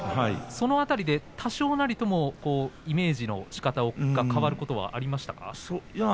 その中で多少なりともイメージのしかたが変わることはありましたか。